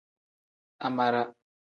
Amara.